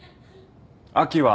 秋は。